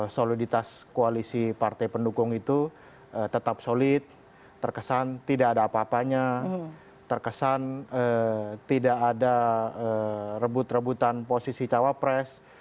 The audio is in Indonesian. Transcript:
soliditas koalisi partai pendukung itu tetap solid terkesan tidak ada apa apanya terkesan tidak ada rebut rebutan posisi cawapres